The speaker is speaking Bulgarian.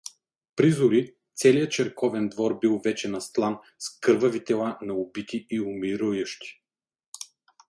Призори целия черковен двор бил вече настлан с кървави тела на убити и умирающи!